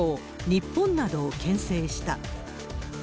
日本などをけん制した。